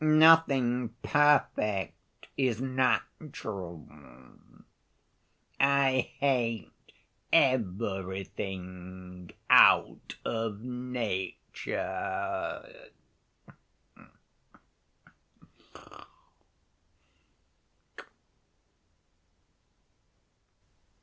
Nothing perfect is natural, I hate everything out of nature."